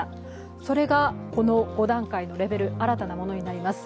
それがこの５段階のレベル、新たなものになります。